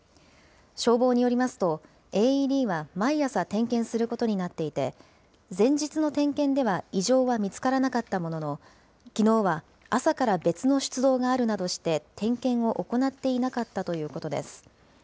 消防によりますと、ＡＥＤは毎朝点検することになっていて、前日の点検では、異常は見つからなかったものの、きのうは朝から別の出動があるなどして、点検を行っていなかったということです。